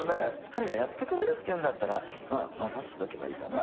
彼がやってくれるっていうんだったら任せとけばいいかな。